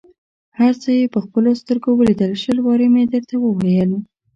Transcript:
هر څه یې په خپلو سترګو ولیدل، شل وارې مې درته وویل.